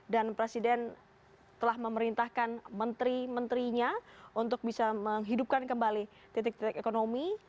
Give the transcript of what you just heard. dan presiden telah memerintahkan menteri menterinya untuk bisa menghidupkan kembali titik titik ekonomi